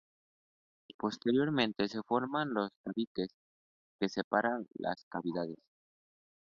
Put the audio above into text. Posteriormente se forman los tabiques que separan las cavidades.